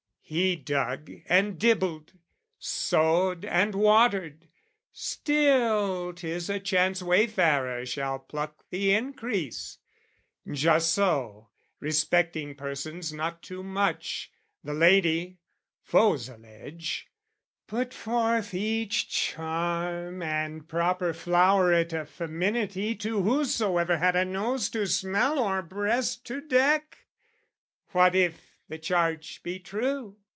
He dug and dibbled, sowed and watered, still 'Tis a chance wayfarer shall pluck the increase. Just so, respecting persons not too much, The lady, foes allege, put forth each charm And proper floweret of feminity To whosoever had a nose to smell Or breast to deck: what if the charge be true?